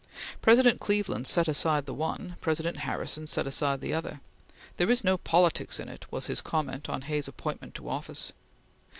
President Cleveland set aside the one; President Harrison set aside the other. "There is no politics in it," was his comment on Hay's appointment to office.